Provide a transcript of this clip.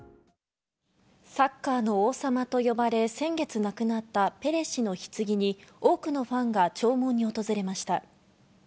サッカーの王様と呼ばれ先月亡くなったペレ氏の棺に多くのファンが弔問に訪れました。